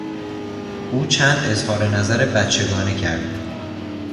او چند اظهار نظر بچگانه کرد.